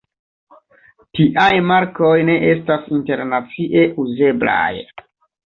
Tiaj markoj ne estas internacie uzeblaj.